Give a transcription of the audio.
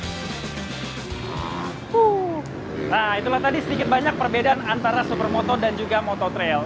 nah itulah tadi sedikit banyak perbedaan antara supermoto dan juga motor trail